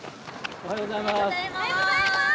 おはようございます。